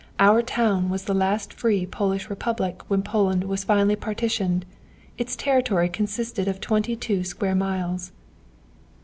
Our town was the last free Polish Republic when Poland was finally partitioned. Its territory consisted of twenty two square miles.'"